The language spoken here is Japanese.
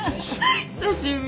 久しぶり。